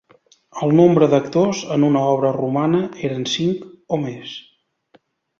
El nombre d'actors, en una obra romana, eren cinc o més.